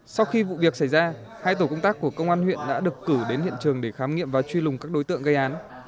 sau khi vụ việc xảy ra hai tổ công tác của công an huyện đã được cử đến hiện trường để khám nghiệm và truy lùng các đối tượng gây án